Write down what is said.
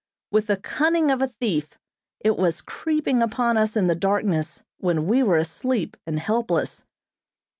With the cunning of a thief it was creeping upon us in the darkness when we were asleep and helpless.